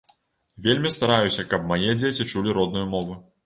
Вельмі стараюся, каб мае дзеці чулі родную мову.